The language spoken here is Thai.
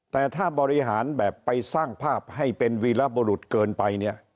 แต่ถ้าบริหารแบบไปสร้างภาพให้เป็นวีรบรุษเกินไปเนี่ย